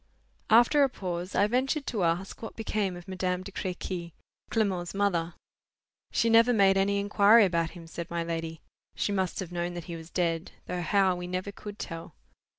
After a pause, I ventured to ask what became of Madame de Crequy, Clement's mother. "She never made any inquiry about him," said my lady. "She must have known that he was dead; though how, we never could tell.